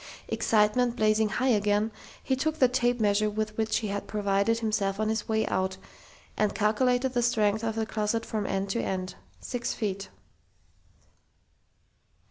Excitement blazing high again, he took the tape measure with which he had provided himself on his way out, and calculated the length of the closet from end to end. Six feet....